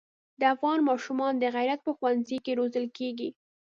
د افغان ماشومان د غیرت په ښونځي کې روزل کېږي.